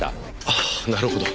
ああなるほど。